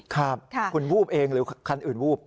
ครับคุณวูบเองหรือคันอื่นวูบ